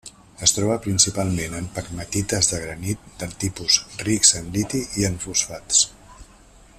Es troba principalment en pegmatites de granit dels tipus rics en liti i en fosfats.